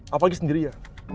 apalagi sendiri ya